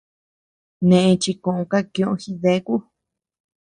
Neʼe chi koʼö kakiö jideaku.